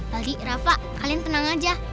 tadi rafa kalian tenang aja